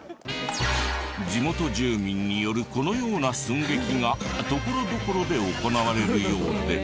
地元住民によるこのような寸劇がところどころで行われるようで。